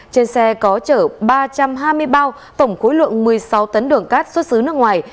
trên xe có chở ba trăm hai mươi bao tổng khối lượng một mươi sáu tấn đường cát xuất xứ nước ngoài